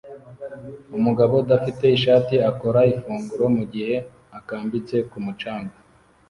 Umugabo udafite ishati akora ifunguro mugihe akambitse ku mucanga